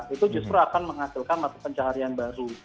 itu justru akan menghasilkan mata pencaharian baru